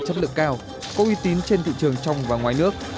chất lượng cao có uy tín trên thị trường trong và ngoài nước